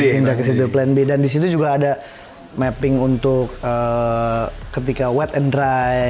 pindah ke situ plan b dan disitu juga ada mapping untuk ketika white and dry